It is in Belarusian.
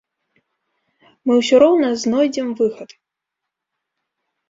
Мы ўсё роўна знойдзем выхад.